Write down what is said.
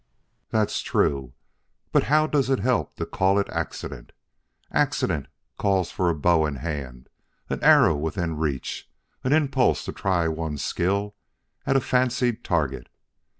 "That's true; but how does it help to call it accident? Accident calls for a bow in hand, an arrow within reach, an impulse to try one's skill at a fancied target.